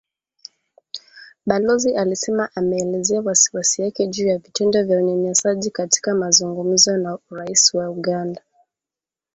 Balozi alisema ameelezea wasiwasi wake juu ya vitendo vya unyanyasaji, katika mazungumzo na Raisi wa Uganda.